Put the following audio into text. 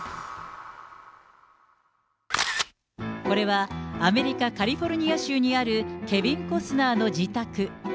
これはアメリカ・カリフォルニア州にあるケビン・コスナーの自宅。